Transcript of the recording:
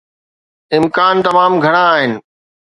امڪان تمام گهڻا آهن.